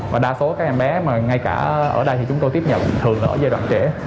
và đa số các em bé mà ngay cả ở đây thì chúng tôi tiếp nhận thường ở giai đoạn trẻ